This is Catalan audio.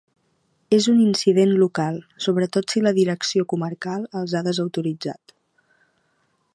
És un incident local, sobretot si la direcció comarcal els ha desautoritzat.